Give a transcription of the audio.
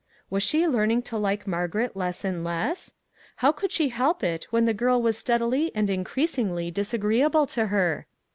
Was she learning to like Margaret less and less ? How could she help it when the girl was steadily and increas ingly disagreeable to her?